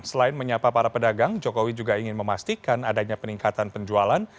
selain menyapa para pedagang jokowi juga ingin memastikan adanya peningkatan penjualan